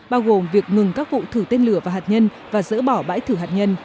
bao gồm việc ngừng các vụ thử tên lửa và hạt nhân và dỡ bỏ bãi thử hạt nhân